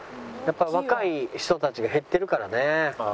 やっぱ若い人たちが減ってるからね。